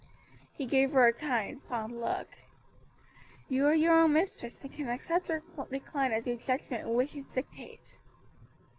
He gave her a kind, fond look. "You are your own mistress, and can accept or decline as your judgment and wishes dictate."